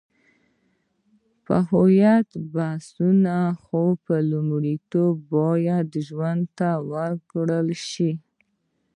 په هویت بحثونه، خو لومړیتوب باید ژوند ته ورکړل شي.